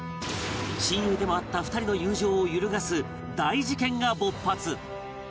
親友でもあった２人の友情を揺るがす大事件が勃発